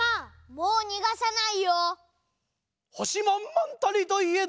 もうにがさないよ。